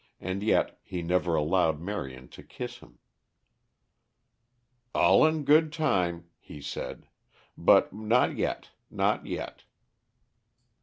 And yet he never allowed Marion to kiss him. "All in good time," he said; "but not yet, not yet."